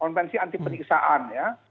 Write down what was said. konvensi anti peniksaan ya